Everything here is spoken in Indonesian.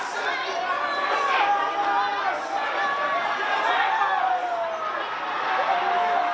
dan juga melihat status gc atau justice collaboration